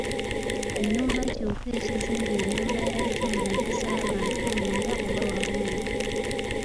Ennumba kiwuka ekizimba ennyumba yaakyo mu nju z'abantu, munda oba wabweru.